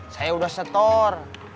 saya udah setor